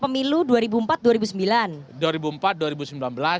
maksudnya ini pemilu dua ribu empat dua ribu sembilan